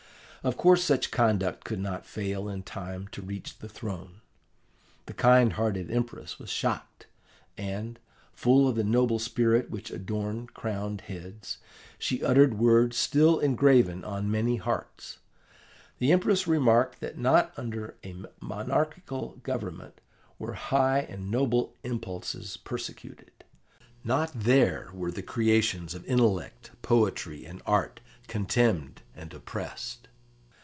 Of course, such conduct could not fail in time to reach the throne. The kind hearted Empress was shocked; and, full of the noble spirit which adorns crowned heads, she uttered words still engraven on many hearts. The Empress remarked that not under a monarchical government were high and noble impulses persecuted; not there were the creations of intellect, poetry, and art contemned and oppressed.